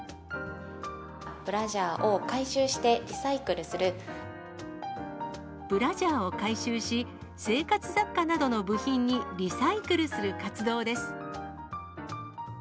ブラジャーを回収して、ブラジャーを回収し、生活雑貨などの部品にリサイクルする活動です。